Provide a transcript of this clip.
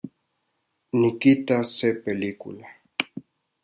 Nikitas se película